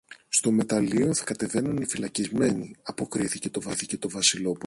Στο μεταλλείο θα κατεβαίνουν οι φυλακισμένοι, αποκρίθηκε το Βασιλόπουλο.